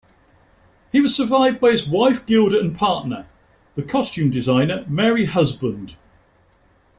He was survived by his wife Gilda and partner, the costume designer Mary Husband.